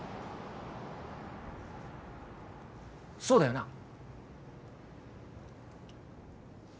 そうだよな？